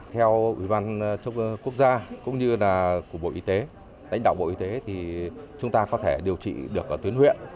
theo ủy ban quốc gia cũng như là của bộ y tế đánh đạo bộ y tế thì chúng ta có thể điều trị được ở tuyến huyện